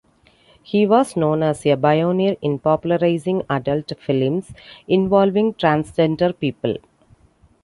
He was known as a pioneer in popularizing adult films involving transgender people.